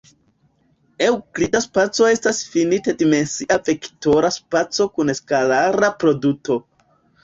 Eŭklida spaco estas finit-dimensia vektora spaco kun skalara produto.